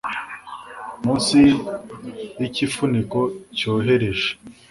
Munsi yikifuniko cyohereje